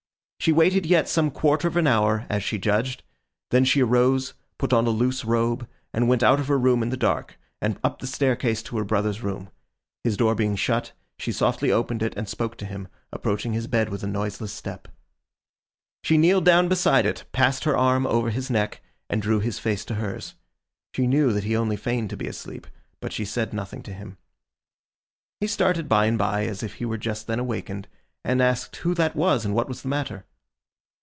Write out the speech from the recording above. She waited yet some quarter of an hour, as she judged. Then she arose, put on a loose robe, and went out of her room in the dark, and up the staircase to her brother's room. His door being shut, she softly opened it and spoke to him, approaching his bed with a noiseless step. She kneeled down beside it, passed her arm over his neck, and drew his face to hers. She knew that he only feigned to be asleep, but she said nothing to him. He started by and by as if he were just then awakened, and asked who that was, and what was the matter?